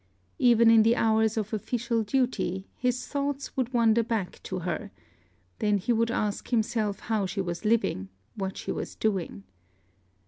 Even in the hours of official duty, his thoughts would wander back to her: then he would ask himself how she was living, what she was doing.